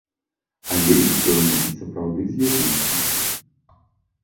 Алей сёння і сапраўды з'явіўся.